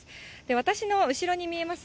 私の後ろに見えます